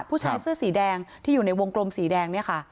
ผู้ชายเสื้อสีแดงที่อยู่ในวงกลมสีแดง